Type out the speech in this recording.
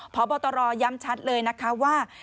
พบตรย้ำชัดเลยนะคะว่า